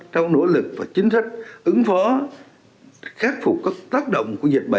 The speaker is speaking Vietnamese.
trong nỗ lực và chính sách ứng phó khắc phục các tác động